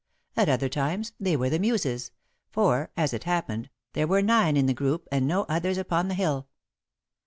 At other times, they were the Muses, for, as it happened, there were nine in the group and no others upon the hill.